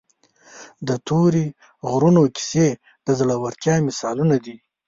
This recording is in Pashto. د تورې غرونو کیسې د زړورتیا مثالونه دي.